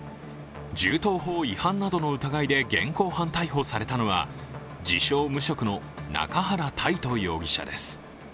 銃刀法違反などの疑いで現行犯逮捕されたのは自称・無職の中原泰斗容疑者です。